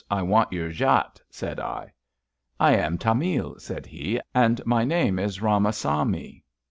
I want your jat/^ said I. I am Tamil,'' said he, " and my name is Eamasawmy."